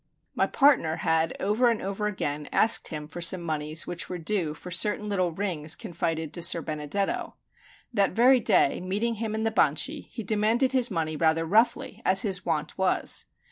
My partner had over and over again asked him for some moneys which were due for certain little rings confided to Ser Benedetto. That very day, meeting him in the Banchi, he demanded his money rather roughly, as his wont was.